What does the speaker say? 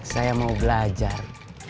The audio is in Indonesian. saya mau belajar